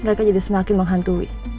mereka jadi semakin menghantui